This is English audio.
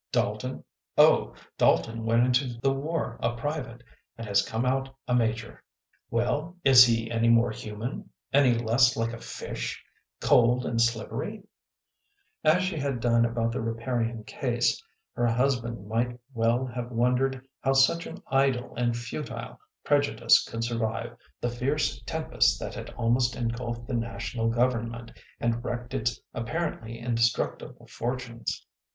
"Dalton? Oh, Dalton went into the war a private, and has come out a major." " Well, is he any more human ? any less like a fish cold and slippery ? As she had done about the Riparian case, her husband might well have wondered how such an idle and futile prejudice could survive the fierce tempest that had almost engulfed the National Government, and wrecked its apparently indestructible fortunes.